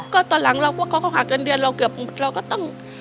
ก็ตอนหลังขอค่าเงินเดือนเราเกือบต้อง